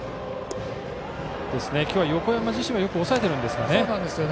今日は横山自身はよく抑えています。